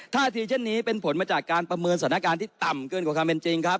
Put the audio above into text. ท่าทีเช่นนี้เป็นผลมาจากการประเมินสถานการณ์ที่ต่ำเกินกว่าความเป็นจริงครับ